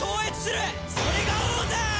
それが王だ！